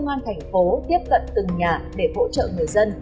công an thành phố tiếp cận từng nhà để hỗ trợ người dân